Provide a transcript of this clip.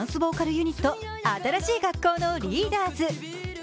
ユニット新しい学校のリーダーズ。